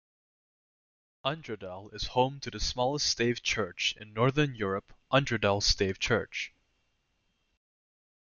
Undredal is home to the smallest stave church in Northern Europe, Undredal Stave Church.